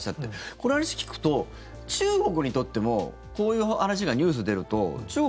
この話聞くと、中国にとってもこういう話がニュースに出ると中国。